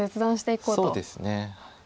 そうですね。